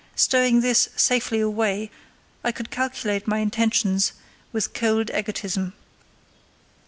Stowing this safely away, I could calculate my intentions with cold egotism.